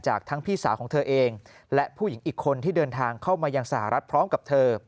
ทั้งพี่สาวของเธอเองและผู้หญิงอีกคนที่เดินทางเข้ามายังสหรัฐพร้อมกับเธอ